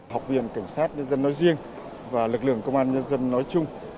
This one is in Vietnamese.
học viện cảnh sát nhân dân nói riêng và lực lượng công an nhân dân nói chung